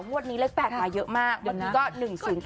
วันนี้เลข๘มาเยอะมากวันนี้ก็๑๐๘๑๘๐อันนี้๘๕๐